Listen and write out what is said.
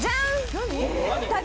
何？